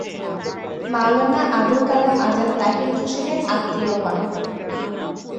মাওলানা আবুল কালাম আজাদ তাহির হোসেনের আত্মীয় হন।